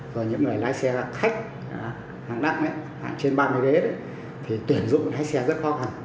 rồi những người lái xe khách hàng nặng trên ba mươi đế thì tuyển dụng lái xe rất khó